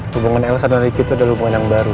hubungan elsa dan ricky itu adalah hubungan yang baru